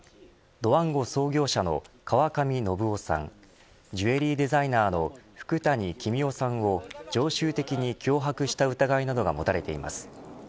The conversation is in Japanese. ドワンゴ創業者の川上量生さんジュエリーデザイナーの福谷公男さんを常習的に脅迫した疑いなどが持たれています。